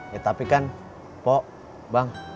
ya tapi kan pak bang